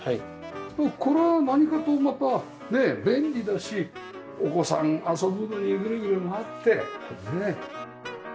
これは何かとまたねえ便利だしお子さん遊ぶのにグルグル回ってねえ。